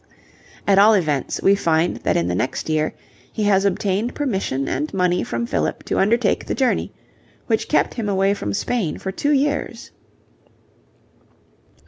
At all events we find that in the next year he has obtained permission and money from Philip to undertake the journey, which kept him away from Spain for two years.